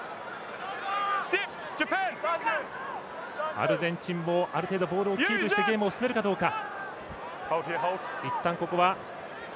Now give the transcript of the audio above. アルゼンチンも、ある程度ボールをキープしてゲームを進めるかどうか。